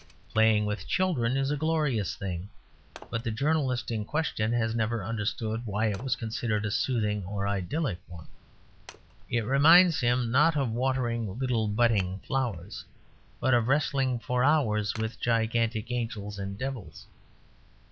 Playing with children is a glorious thing; but the journalist in question has never understood why it was considered a soothing or idyllic one. It reminds him, not of watering little budding flowers, but of wrestling for hours with gigantic angels and devils.